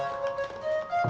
info aja di tati